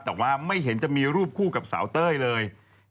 แต่ว่าไม่เห็นจะมีรูปคู่กับสาวเต้ยเลย